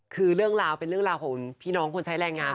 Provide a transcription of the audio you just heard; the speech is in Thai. คือเรื่องราวเป็นเรื่องราวของพี่น้องคนใช้แรงงาน